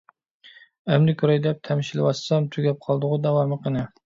ئەمدى كۆرەي دەپ تەمشىلىۋاتسام، تۈگەپ قالدىغۇ. داۋامى قېنى؟